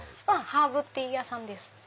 ハーブティー屋さんです。